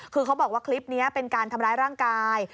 คือเขาบอกว่าคลิปนี้เป็นการทำร้ายร่างกาย